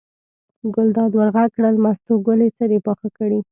ګلداد ور غږ کړل: مستو ګلې څه دې پاخه کړي.